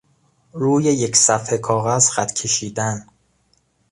روی یک صفحه کاغذ خط کشیدن